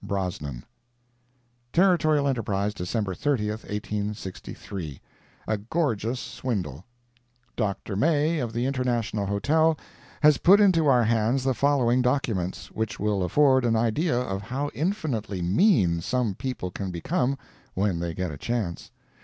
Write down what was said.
BROSNAN Territorial Enterprise, December 30, 1863 A GORGEOUS SWINDLE Dr. May, of the International Hotel, has put into our hands the following documents, which will afford an idea of how infinitely mean some people can become when they get a chance.